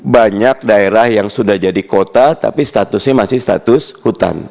banyak daerah yang sudah jadi kota tapi statusnya masih status hutan